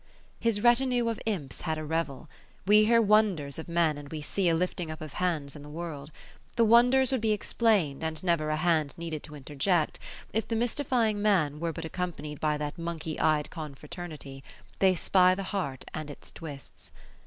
His retinue of imps had a revel. We hear wonders of men, and we see a lifting up of hands in the world. The wonders would be explained, and never a hand need to interject, if the mystifying man were but accompanied by that monkey eyed confraternity. They spy the heart and its twists.